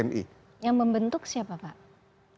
yang membentuk siapa pak